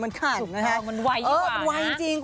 ยังไวข้ากว่างนะ